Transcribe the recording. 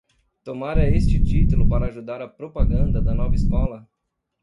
Tomara este título para ajudar a propaganda da nova escola